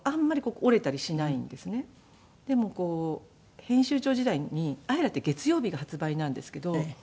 でも編集長時代に『ＡＥＲＡ』って月曜日が発売なんですけど。